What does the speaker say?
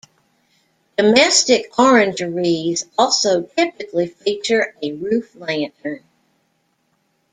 Domestic orangeries also typically feature a roof lantern.